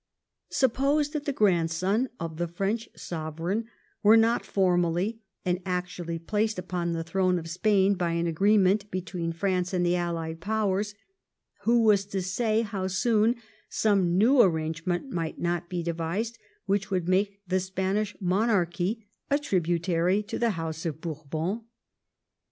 Suppose that the grandson of the French Sovereign were not formally and actually placed upon the throne of Spain by an agreement between France and the Allied Powers, who was to say how soon some new arrangement might not be devised which would make the Spanish monarchy a tributary to the House of Bourbon?